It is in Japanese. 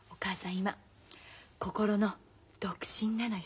今心の独身なのよ。